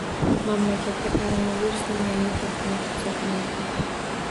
Mamlakatda koronavirusning yangi to‘lqini kuzatilmoqda